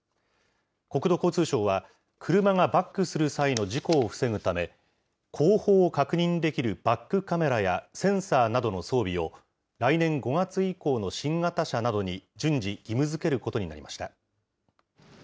国土交通省は、車がバックする際の事故を防ぐため、後方を確認できるバックカメラやセンサーなどの装備を、来年５月以降の新型車などに順次義務づけることになりました。